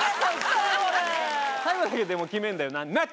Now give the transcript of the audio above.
最後だけでも決めるんだよな